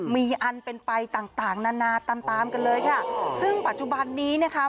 มีอันเป็นไปต่างต่างนานาตามตามกันเลยค่ะซึ่งปัจจุบันนี้นะคะ